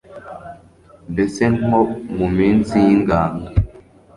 mbese nko mu minsi y'ingando